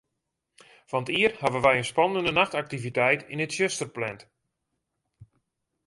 Fan 't jier hawwe wy in spannende nachtaktiviteit yn it tsjuster pland.